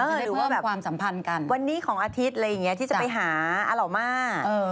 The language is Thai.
หรือว่าแบบวันนี้ของอาทิตย์อะไรอย่างนี้ที่จะไปหาอาหล่อมา